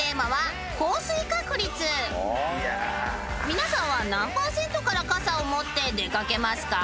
［皆さんは何％から傘を持って出掛けますか？］